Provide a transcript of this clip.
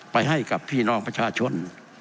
ไปให้กับพี่น้องประชาชน